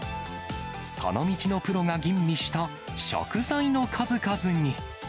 その道のプロが吟味した食材の数々に。